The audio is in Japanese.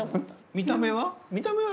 見た目は？